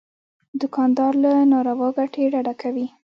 دوکاندار له ناروا ګټې ډډه کوي.